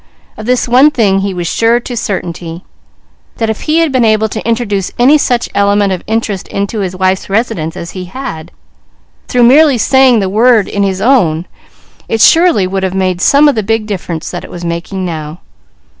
Of this one thing he was sure to certainty: that if he had been able to introduce any such element of interest into his wife's residence as he had, through merely saying the word, in his own, it surely would have made some of the big difference then it was making now.